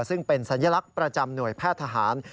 ซึ่งเป็นสัญลักษณ์ประจำหน่วยแพทย์ทหาร